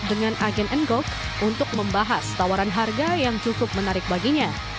dengan agen nggok untuk membahas tawaran harga yang cukup menarik baginya